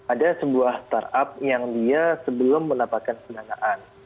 ada sebuah startup yang dia sebelum mendapatkan pendanaan